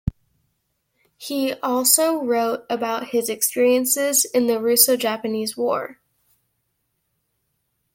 He also wrote about his experiences in the Russo-Japanese War.